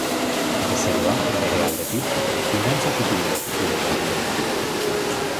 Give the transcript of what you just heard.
Bezeroak, bere aldetik, finantza tituluak itzuli beharko ditu.